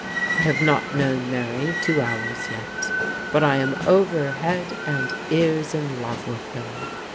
I have not known Mary two hours yet, but I'm over head and ears in love with her.